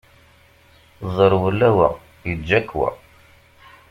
Ẓerwel a wa, iǧǧa-k wa!